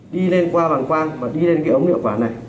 đi lên qua bằng quang và đi lên cái ống liệu quản này